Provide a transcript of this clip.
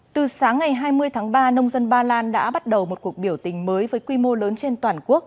từ sáng ngày hai mươi tháng ba nông dân ba lan đã bắt đầu một cuộc biểu tình mới với quy mô lớn trên toàn quốc